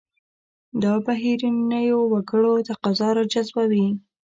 دا بهرنیو وګړو تقاضا راجذبوي.